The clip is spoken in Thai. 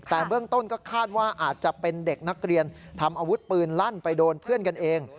แต่เบื้องต้นก็คาดว่าอาจจะเป็นเด็กนักเรียนทำอาวุธปืนลั่นไปโดนเพื่อนกันเอง